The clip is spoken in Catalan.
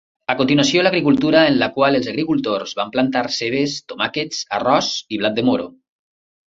A continuació, l'agricultura en la qual els agricultors van plantar cebes, tomàquets, arròs i blat de moro.